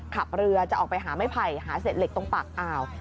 ขับเรือจะออกไปหาไม้ไผ่หาเศษเหล็กตรงปากอ่าว